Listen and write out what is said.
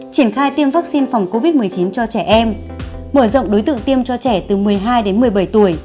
triển khai tiêm vaccine phòng covid một mươi chín cho trẻ em mở rộng đối tượng tiêm cho trẻ từ một mươi hai đến một mươi bảy tuổi